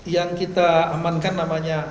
yang kita amankan namanya